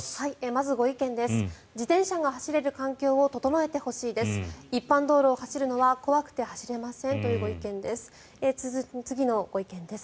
まずご意見です。